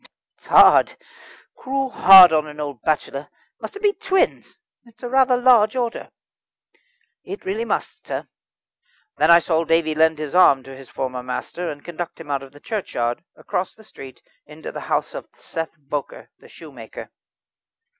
"It's hard cruel hard on an old bachelor. Must it be twins? It's a rather large order." "It really must, sir." Then I saw David lend his arm to his former master and conduct him out of the churchyard, across the street, into the house of Seth Bowker, the shoemaker.